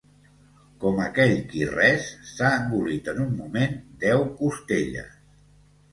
Com aquell qui res, s'ha engolit en un moment deu costelles.